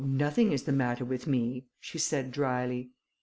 "Oh! nothing is the matter with me," she said drily.